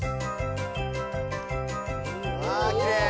わあきれい！